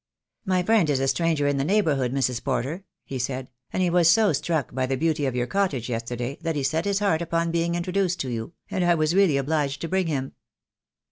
"My friend is a stranger in the neighbourhood, Mrs. Porter," he said, "and he was so struck by the beauty of your cottage yesterday that he set his heart upon being introduced to you, and I was really obliged to bring him."